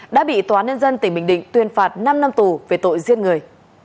đã bị tòa nhân dân tỉnh bình định tuyên phạt năm năm tù về tội giết người